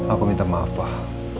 aku minta maaf pak